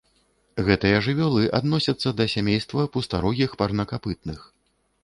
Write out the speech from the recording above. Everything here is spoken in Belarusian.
Гэтыя жывёлы адносяцца да сямейства пустарогіх парнакапытных.